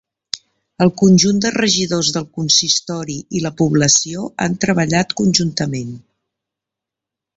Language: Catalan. El conjunt de regidors del Consistori i la població han treballat conjuntament.